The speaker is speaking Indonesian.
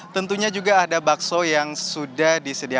tentunya juga ada bakso yang sudah disediakan